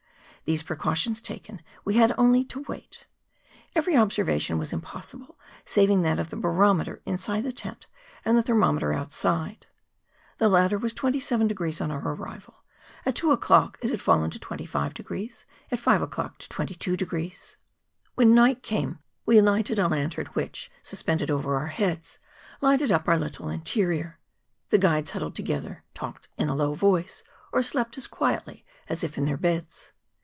These precautions taken, we had only to wait. Every observation was impossible, saving that of the barometer inside the tent, and the thermo¬ meter outside; the latter was 27° on our arrival; at two o'clock it had fallen to 25°, at five o'clock to 22°. When night came we lighted a lantern which, suspended over our heads, lighted up our little interior. The guides huddled together, talked in a low voice, or slept as quietly as if in their beds.